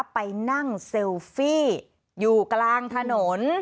ไปนั่งเซลฟี่อยู่กลางถนน